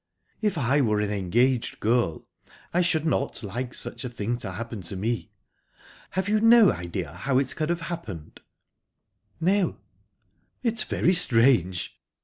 "If I were an engaged girl, I should not like such a thing to happen to me. Have you no idea how it could have happened?" "No." "It's very, very strange."